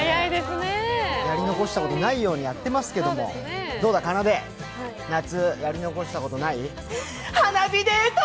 やり残したことがないようにやってますけど、かなで、どうだ、夏やり残したことない？